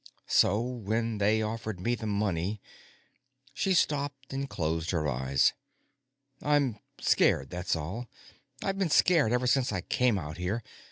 So when they offered me the money " She stopped and closed her eyes. "I'm scared, that's all. I've been scared ever since I came out here.